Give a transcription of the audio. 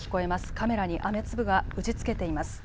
カメラに雨粒が打ちつけています。